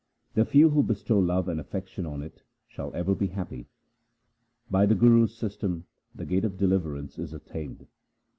The few who bestow love and affection on it, Shall ever be happy. By the Guru's system the gate of deliverance is attained.